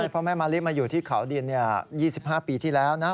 เพราะแม่มะลิมาอยู่ที่เขาดิน๒๕ปีที่แล้วนะ